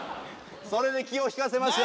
それで気を引かせました。